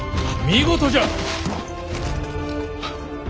見事じゃ！